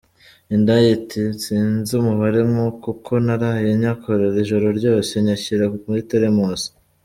Indaya iti sinzi umubare kuko naraye nyakorera ijoro ryose nyashyira muri telemosi.